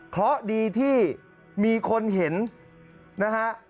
เพราะดีที่มีคนเห็นนะฮะ